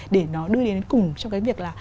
để nó đưa đến cùng trong cái việc là